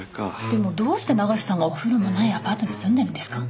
でもどうして永瀬さんがお風呂もないアパートに住んでるんですか？